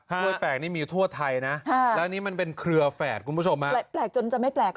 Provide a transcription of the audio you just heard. กล้วยแปลกนี่มีทั่วไทยนะและนี่มันเป็นเครือแฝดคุณผู้ชมนะ